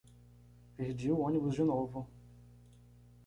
Perdi o ônibus de novo.